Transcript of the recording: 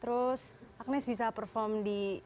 terus agnes bisa perform di